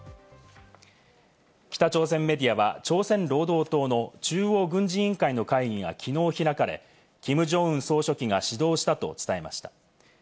北朝鮮メディアは朝鮮労働党の中央軍事委員会の会議がきのう開かれ、キム・ジョンウン総書記が指導したと伝えました。